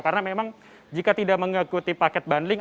karena memang jika tidak mengikuti paket bundling